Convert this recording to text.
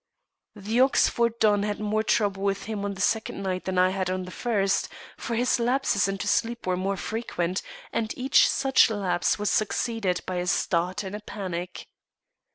The Oxford don had more trouble with him on the second night than I had on the first, for his lapses into sleep were more frequent, and each such lapse was succeeded by a start and a panic.